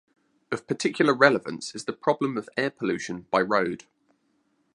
Of particular relevance is the problem of air pollution by road.